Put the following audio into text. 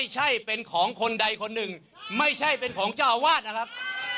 ใช่เป็นของคนใดคนหนึ่งไม่ใช่เป็นของเจ้าอาวาสนะครับ